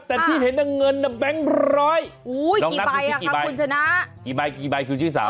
แต่ที่เห็นน่ะเงินน่ะแบงค์ร้อยกี่ใบอ่ะครับคุณชนะกี่ใบกี่ใบคือชื่อสาว